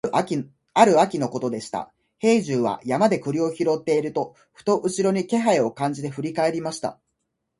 ある秋のことでした、兵十は山で栗を拾っていると、ふと後ろに気配を感じて振り返りました。